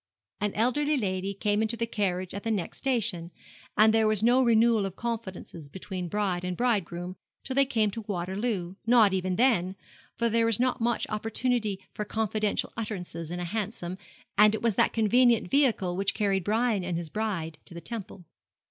An elderly lady came into the carriage at the next station, and there was no renewal of confidences between bride and bridegroom till they came to Waterloo, nor even then, for there is not much opportunity for confidential utterances in a hansom, and it was that convenient vehicle which carried Brian and his bride to the Temple.